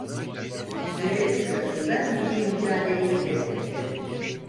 Görevi sırasında Milli Mücadele'yi destekledi.